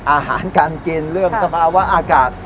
อาหารการกินเรื่องสภาวะอากาศ